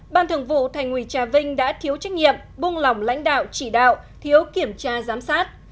ban thường vụ thành ủy trà vinh đã thiếu trách nhiệm buông lỏng lãnh đạo chỉ đạo thiếu kiểm tra giám sát